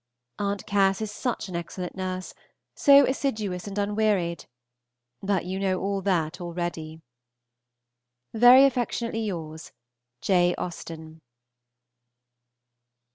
At. Cass. is such an excellent nurse, so assiduous and unwearied! But you know all that already. Very affectionately yours, J. AUSTEN.